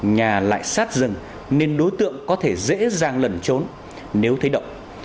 nhà lại sát rừng nên đối tượng có thể dễ dàng lẩn trốn nếu thấy động